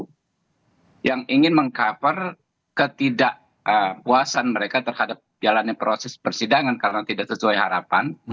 jadi kita ingin meng cover ketidakpuasan mereka terhadap jalannya proses persidangan karena tidak sesuai harapan